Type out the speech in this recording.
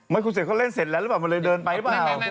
คุณเสร็จเขาเล่นเสร็จแล้วหรือเปล่ามันเลยเดินไปหรือเปล่า